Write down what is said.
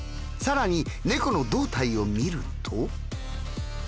さらに猫の胴体を見ると。